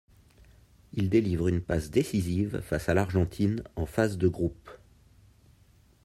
Il délivre une passe décisive face à l'Argentine en phase de groupe.